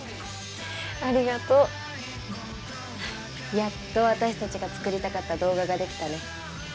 やっと私たちが作りたかった動画ができたね。